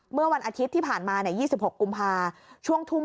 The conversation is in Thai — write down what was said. เมื่อวันอาทิตย์ที่ผ่านมา๒๖กุมภาคช่วงทุ่ม